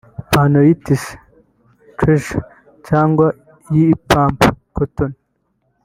ipantaro y’itisi (tissus) cyangwa y’ipamba (coton)